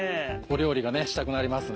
料理がしたくなりますね。